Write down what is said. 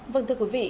vâng thưa quý vị